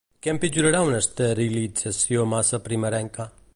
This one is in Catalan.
Què empitjora una esterilització massa primerenca?